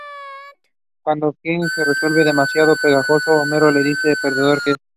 Cuando Kirk se vuelve demasiado pegajoso, Homero le dice lo perdedor que es.